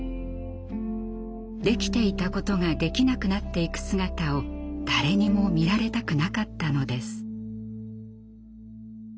できていたことができなくなっていく姿を誰にも見られたくなかったのです。